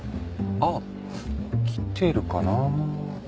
ああ来てるかな？